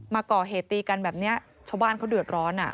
มาก่อเหตุตีกันแบบนี้ชาวบ้านเขาเดือดร้อนอ่ะ